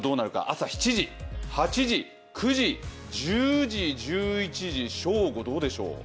朝７時、８時、９時１０時、１１時、正午、どうでしょう。